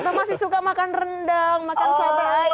atau masih suka makan rendang makan sada ayam